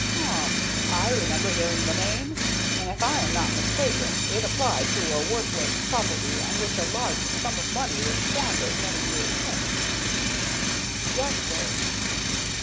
"Um! I remember hearing the name; and, if I am not mistaken, it applied to a worthless property on which a large sum of money was squandered many years since." "Yes, sir."